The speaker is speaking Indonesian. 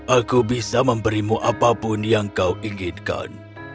aku bisa memberimu apapun yang kau inginkan